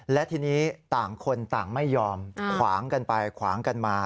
และทีนี้ต่างคนต่างไม่ยอมขวางกันไปขวางกันมา